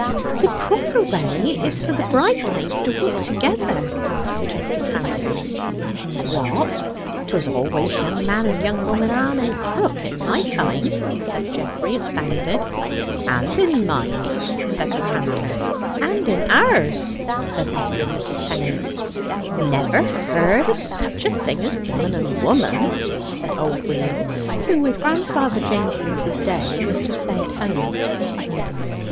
"The proper way is for the bridesmaids to walk together," suggested Fancy. "What? 'Twas always young man and young woman, arm in crook, in my time!" said Geoffrey, astounded. "And in mine!" said the tranter. "And in ours!" said Mr. and Mrs. Penny. "Never heard o' such a thing as woman and woman!" said old William; who, with grandfather James and Mrs. Day, was to stay at home.